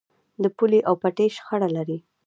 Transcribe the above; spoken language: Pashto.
د پولې او پټي شخړه لرئ؟